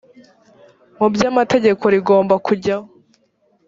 mu by amategeko rigomba kujyaho